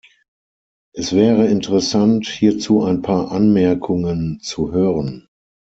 Es wäre interessant, hierzu ein paar Anmerkungen zu hören.